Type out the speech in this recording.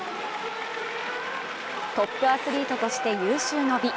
トップアスリートとして有終の美。